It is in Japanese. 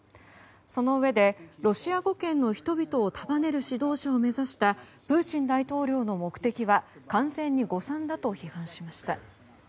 そのうえでロシア語圏の人々を束ねる指導者を目指したプーチン大統領の目的は完全に誤算だと批判しました。